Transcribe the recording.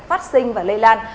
phát sinh và lây lan